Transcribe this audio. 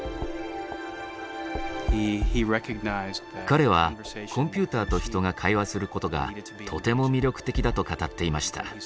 彼はコンピューターと人が会話する事がとても魅力的だと語っていました。